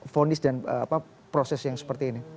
fonis dan proses yang seperti ini